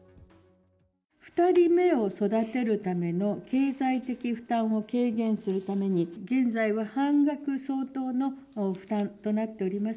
２人目を育てるための経済的負担を軽減するために、現在は半額相当の負担となっております